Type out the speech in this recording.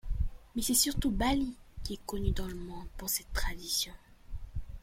Mais c'est surtout Bali qui est connue dans le monde pour cette tradition.